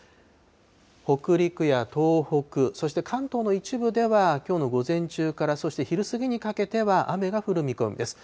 北陸や東北、そして関東の一部では、きょうの午前中から、そして昼過ぎにかけては雨が降る見込みです。